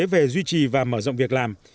về duy trì và mở rộng việc làm